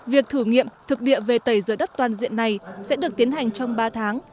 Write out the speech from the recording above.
việc thử nghiệm thực địa về tẩy rửa đất toàn diện này sẽ được tiến hành trong ba tháng